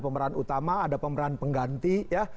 pemeran utama ada pemeran pengganti ya